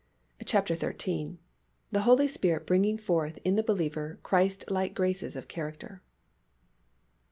CHAPTER XIII. THE HOLY SPIRIT BRINGING FORTH IN THE BELIEVER CHRISTLIKE GRACES OF CHARACTER.